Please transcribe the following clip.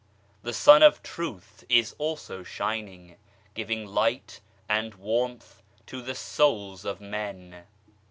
The Sun of Truth is also shining, giving light and warmth to the souls of men.